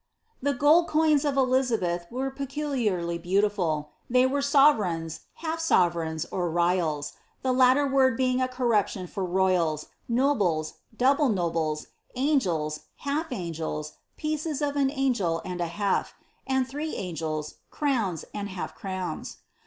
The gold coins of Elizabeth are peculiarly beautiful; they were sovereigns, half sovereigns, or rials, the latter word being a corruption from royals, nobles, double nobles, angels, half angels, pieces of an angel and a half«and three angels, crowns, and half crowns.